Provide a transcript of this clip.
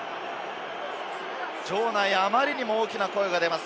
場内、あまりにも大きな声が出ます。